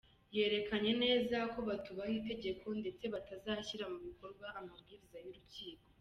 Berekanye neza ko batubaha itegeko, ndetse batazashyira mu bikorwa amabwiriza y’urukiko.